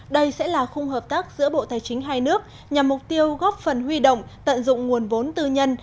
đây sẽ là khung hợp tác giữa bộ tài chính hai nước nhằm mục tiêu góp phần huy động tận dụng nguồn vốn tư nhân